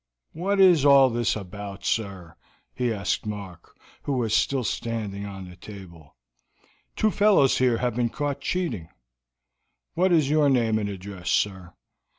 "What is all this about, sir?" he asked Mark, who was still standing on the table. "Two fellows here have been caught cheating." "What is your name and address, sir?"